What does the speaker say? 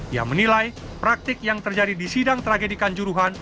ia menilai praktik yang terjadi di sidang tragedikan juruhan